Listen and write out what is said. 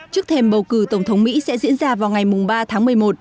trước thêm bầu cử tổng thống mỹ sẽ diễn ra vào ngày ba tháng một mươi một